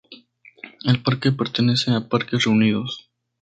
El parque pertenece a Parques Reunidos.